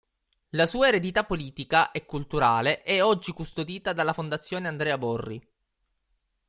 La sua eredità politica e culturale è oggi custodita dalla Fondazione Andrea Borri.